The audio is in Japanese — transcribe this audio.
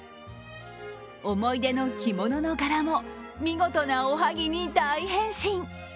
思い出の着物の柄も見事なおはぎに大変身。